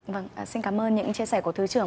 vâng xin cảm ơn những chia sẻ của thứ trưởng